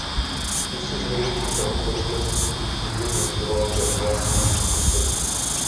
Tu si s největší pravděpodobností původně budoval pro vlastní potřebu.